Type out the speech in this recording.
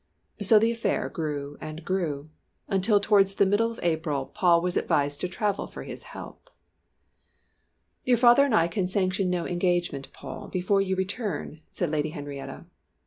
So the affair grew and grew! Until towards the middle of April Paul was advised to travel for his health. "Your father and I can sanction no engagement, Paul, before you return," said Lady Henrietta.